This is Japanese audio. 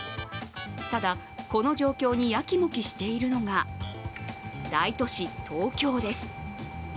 ただ、この状況にやきもきしているのが、大都市・東京です。